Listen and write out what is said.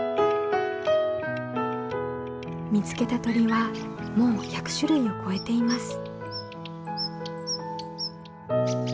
見つけた鳥はもう１００種類を超えています。